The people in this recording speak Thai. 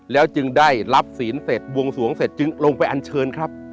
แล้วจึงได้รับศีลเสร็จบวงสวงเสร็จจึงลงไปอันเชิญครับ